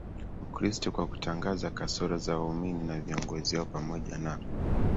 Ukristo kwa kutangaza kasoro za waumini na viongozi wao pamoja na